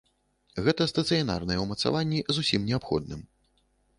Гэта стацыянарныя ўмацаванні з усім неабходным.